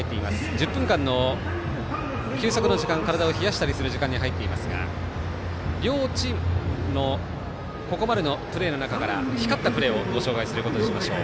１０分間の休息の時間体を冷やしたりする時間に入っていますが両チームのここまでのプレーの中から光ったプレーをご紹介することにしましょう。